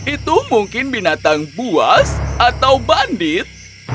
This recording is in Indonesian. itu mungkin binatang buas atau bandit